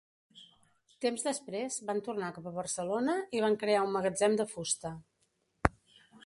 Temps després van tornar cap a Barcelona i van crear un magatzem de fusta.